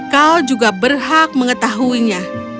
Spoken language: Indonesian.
kau juga berhak mengetahuinya